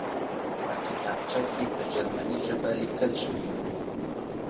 په کتابچه کې په جرمني ژبه لیکل شوي وو